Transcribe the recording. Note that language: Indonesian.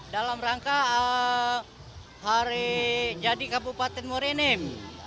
dalam rangka hari jadi kabupaten morenim